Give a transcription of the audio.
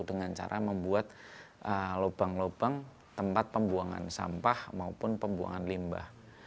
dengan cara membuat lubang lubang tempat pembuangan sampah maupun pembuangan limbah